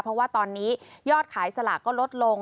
เพราะว่าตอนนี้ยอดขายสลากก็ลดลง